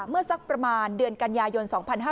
สักประมาณเดือนกันยายน๒๕๕๙